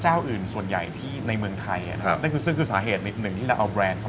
จ้าวอื่นส่วนใหญ่ที่ในเมืองไทยน่ะครับซึ่งคือสาเหตุส่วนใหญ่หนึ่งที่เราเอา